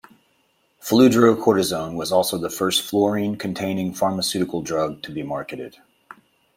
Fludrocortisone was also the first fluorine-containing pharmaceutical drug to be marketed.